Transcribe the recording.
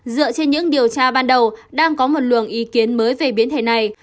dựa trên những điều tra ban đầu đang có một luồng ý kiến mới về biến thể này